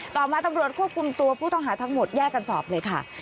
ต่อมาตำรวจควบคุมตัวผู้ต้องหาทั้งหมดแยกกันสอบเลยค่ะ